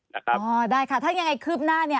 นะครับอ๋อได้ค่ะถ้ายังไงคืบหน้าเนี่ย